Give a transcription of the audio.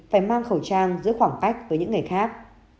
phải mang khẩu trang giữa khoảng cách với những người khác